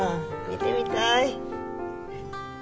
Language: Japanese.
見てみたい。